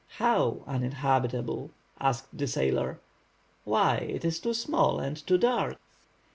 "How, uninhabitable?" asked the sailor. "Why, it is too small and too dark."